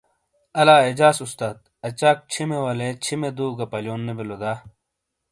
الا اعجاز استاس اچاک چھِیمے والے چھِیمے دُو گہ پالیون نے بلیو دا؟